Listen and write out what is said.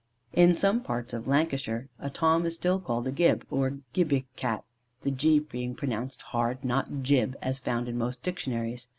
In some parts of Lancashire, a Tom is still called a "Gib" or "Gibbe" Cat, the g being pronounced hard, not jibbe, as found in most dictionaries.